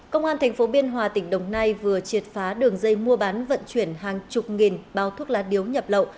công an tp biên hòa tỉnh đồng nai vừa triệt phá đường dây mua bán vận chuyển hàng chục nghìn bao thuốc lá điếu nhập lậu